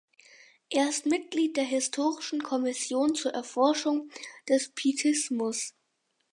Er ist Mitglied der Historischen Kommission zur Erforschung des Pietismus.